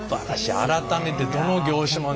改めてどの業種もね